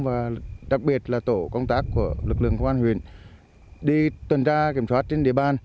và đặc biệt là tổ công tác của lực lượng công an huyện đi tuần tra kiểm soát trên địa bàn